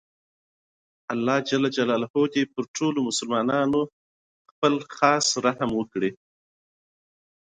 الله ﷻ دې پر ټولو مسلماناتو خپل خاص رحم وکړي